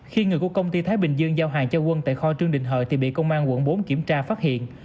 khi người của công ty thái bình dương giao hàng cho quân tại kho trương định hợi thì bị công an quận bốn kiểm tra phát hiện